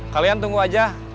kalian tunggu aja